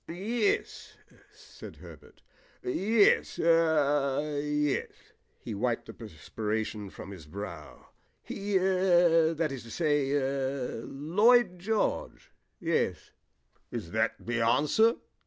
"Yes," said Herbert. "Yes er yes." He wiped the perspiration from his brow. "He er that is to say er Lloyd George, yes." "Is that the answer?"